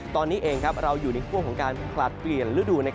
ตอนนี้เองเราอยู่ในช่วงของการผลัดเปลี่ยนฤดู